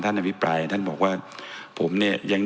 ท่านจะวินิจฉัยมานั้นนะครับซึ่ง